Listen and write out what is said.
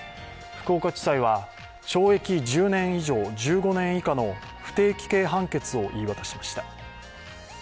福岡地裁は懲役１０年以上１５年以下の不定期刑判決を言い渡しました。